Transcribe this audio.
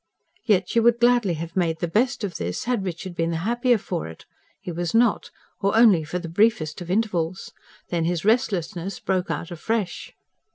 Yet, she would gladly have made the best of this, had Richard been the happier for it. He was not or only for the briefest of intervals. Then his restlessness broke out afresh.